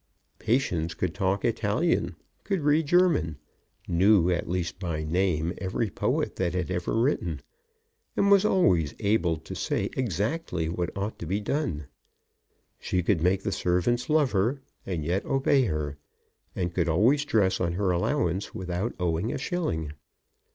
Patience could talk Italian, could read German, knew, at least by name, every poet that had ever written, and was always able to say exactly what ought to be done. She could make the servants love her and yet obey her, and could always dress on her allowance without owing a shilling.